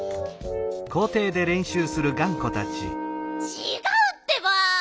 ちがうってば。